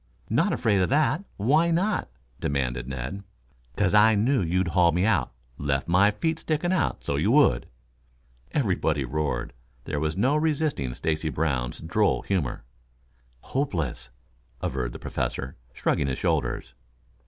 "Not afraid of that? Why not?" demanded Ned. "'Cause I knew you'd haul me out. Left my feet sticking out so you would." Everybody roared. There was no resisting Stacy Brown's droll humor. "Hopeless," averred the Professor, shrugging his shoulders.